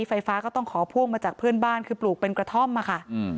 ไฟฟ้าก็ต้องขอพ่วงมาจากเพื่อนบ้านคือปลูกเป็นกระท่อมอะค่ะ